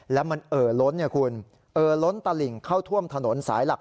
แล้วมันเอ่อล้นเนี่ยคุณเอ่อล้นตลิ่งเข้าท่วมถนนสายหลัก